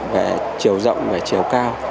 về chiều rộng về chiều cao